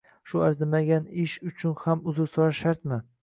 Shu arzimagan ish uchun ham uzr so`rash shartmi